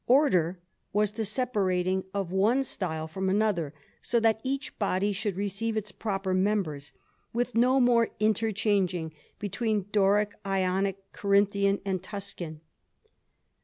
Order was the separating of one style from another, so that each body should receive its proper members, with no more interchanging between Doric, Ionic, Corinthian, and Tuscan.